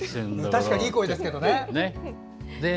確かにいい声ですけどね。